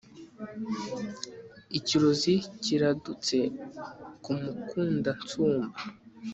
ikirozi kiradutse ku mukundansumba